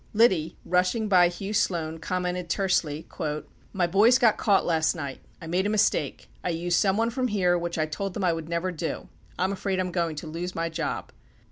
Liddy, rushing by Hugh Sloan, commented tersely: "My boys got caught last night ; I made a mistake ; I used someone from here which I told them I would never do ; I'm afraid I'm going to lose my job."